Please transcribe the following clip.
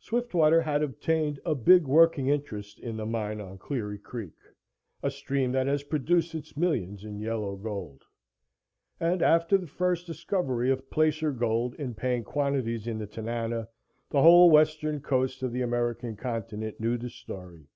Swiftwater had obtained a big working interest in the mine on Cleary Creek, a stream that has produced its millions in yellow gold. And, after the first discovery of placer gold in paying quantities in the Tanana, the whole Western coast of the American continent knew the story.